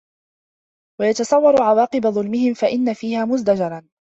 وَيَتَصَوَّرَ عَوَاقِبَ ظُلْمِهِمْ فَإِنَّ فِيهَا مُزْدَجَرًا